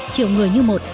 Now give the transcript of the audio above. triệu người như một